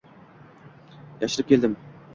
yashirib keldim.